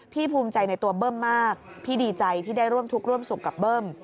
ภูมิใจในตัวเบิ้มมากพี่ดีใจที่ได้ร่วมทุกข์ร่วมสุขกับเบิ้ม